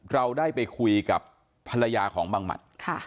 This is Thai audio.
เราได้ไปคุยกับภรรยาของบังหมัด